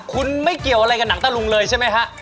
คุณไม่เกี่ยวอะไรกับหนังตะลุงเลยใช่ไหมฮะ